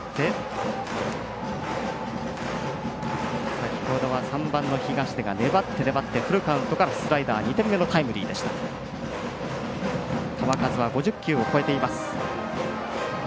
先ほどは３番の東出が粘って粘ってのフルカウントからスライダー２点目のタイムリーでした。